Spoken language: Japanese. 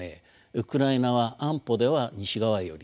ウクライナは安保では西側寄り